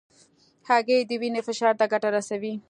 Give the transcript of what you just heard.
هګۍ د وینې فشار ته ګټه رسوي.